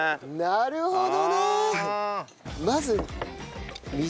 なるほど。